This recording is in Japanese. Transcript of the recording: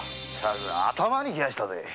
頭にきましたぜ！